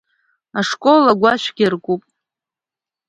Ашкол агәашәгьы аркуп.